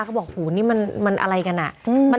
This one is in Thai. เขาบอกหูนี่มันอะไรกันอ่ะ